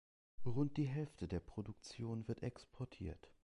Rund die Hälfte der Produktion wird exportiert.